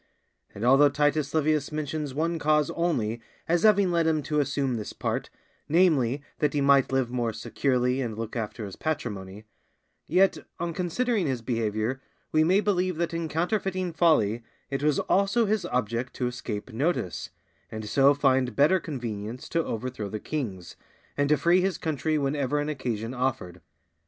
And although Titus Livius mentions one cause only as having led him to assume this part, namely, that he might live more securely and look after his patrimony; yet on considering his behavior we may believe that in counterfeiting folly it was also his object to escape notice, and so find better convenience to overthrow the kings, and to free his country whenever an occasion offered.